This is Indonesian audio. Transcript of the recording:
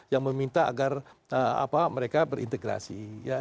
yang meminta agar mereka berintegrasi